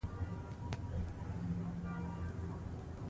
واک د خلکو له لوري ورکول کېږي